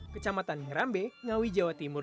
kecamatan ngerambe ngawi jawa timur